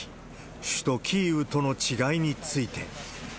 首都キーウとの違いについて。